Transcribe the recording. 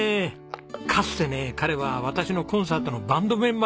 かつてね彼は私のコンサートのバンドメンバーでした。